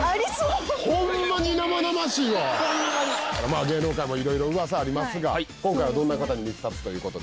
まあ芸能界もいろいろ噂ありますが今回はどんな方に密撮という事で。